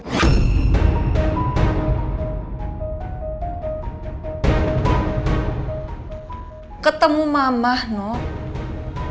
hari ini tetep mau ketemu mama atau mencari pengacara lain